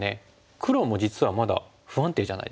黒も実はまだ不安定じゃないですか？